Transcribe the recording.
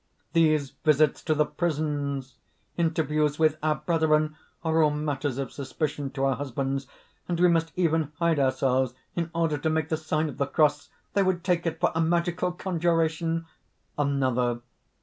"These visits to the prisons, interviews with our brethren, are all matters of suspicion to our husbands! And we must even hide ourselves in order to make the sign of the cross; they would take it for a magical conjuration!" ANOTHER.